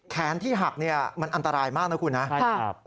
แขนที่หักเนี่ยมันอันตรายมากนะคุณนะ